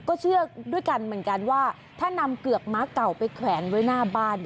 ก็เชื่อด้วยกันเหมือนกันว่าถ้านำเกือกม้าเก่าไปแขวนไว้หน้าบ้าน